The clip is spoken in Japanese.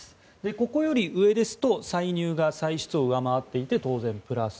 ここより上ですと歳入が歳出を上回っていて当然、プラス。